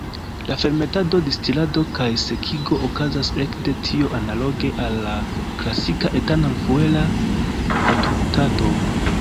La fermentado, distilado kaj sekigo okazas ekde tio analoge al la klasika etanol-fuela produktado.